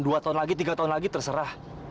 dua tahun lagi tiga tahun lagi terserah